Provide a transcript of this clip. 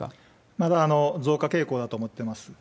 まだ増加傾向だと思ってます。